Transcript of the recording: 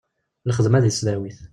Lxedma deg tesdawit;